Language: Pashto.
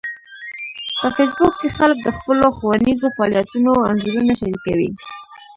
په فېسبوک کې خلک د خپلو ښوونیزو فعالیتونو انځورونه شریکوي